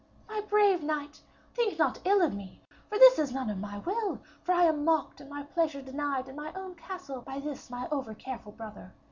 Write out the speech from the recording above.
'My brave knight, think not ill of me, for this is none of my will, for I am mocked and my pleasure denied in my own castle by this my over careful brother.